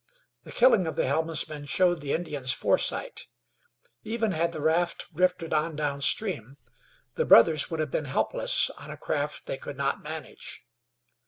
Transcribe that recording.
The killing of the helmsman showed the Indians' foresight; even had the raft drifted on downstream the brothers would have been helpless on a craft they could not manage.